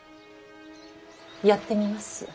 やってみます。